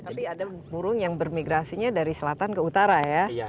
tapi ada burung yang bermigrasinya dari selatan ke utara ya